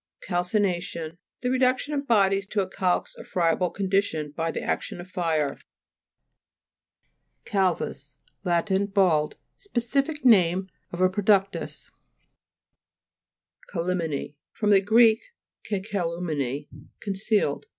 CALCINA'TION The reduction of bodies to a calx or friable condition by the action of fire. CAL'VUS Lat. Bald. Specific name of a productus. CALT'MEN E fr. gr. kekalumene, concealed.